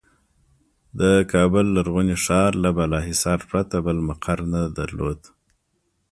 د کابل لرغوني ښار له بالاحصار پرته بل مقر نه درلود.